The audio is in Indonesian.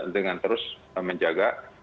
dengan terus menjaga